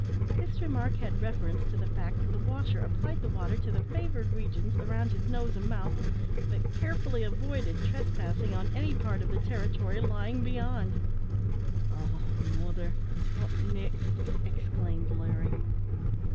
This remark had reference to the fact that the washer applied the water to the favoured regions around his nose and mouth, but carefully avoided trespassing on any part of the territory lying beyond. "Oh! morther, wot nixt?" exclaimed Larry.